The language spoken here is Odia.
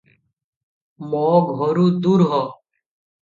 ମୋ ଘରୁ ଦୂର ହୋ!